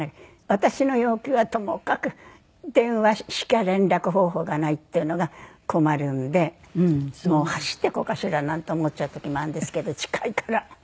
私の要求はともかく電話しか連絡方法がないっていうのが困るんでもう走っていこうかしらなんて思っちゃう時もあるんですけど近いから。